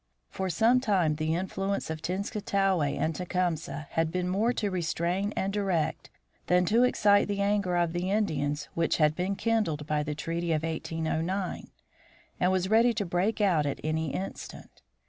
For some time the influence of Tenskwatawa and Tecumseh had been more to restrain and direct than to excite the anger of the Indians which had been kindled by the treaty of 1809, and was ready to break out at any instant.